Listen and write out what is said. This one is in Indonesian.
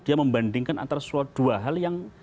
dia membandingkan antara dua hal yang